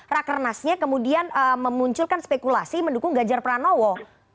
rakernasnya kemudian memunculkan spekulasi mendukung ganjar pranowo